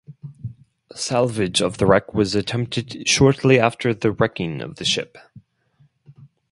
Salvage of the wreck was attempted shortly after the wrecking of the ship.